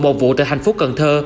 gồm một vụ tại thành phố cần thơ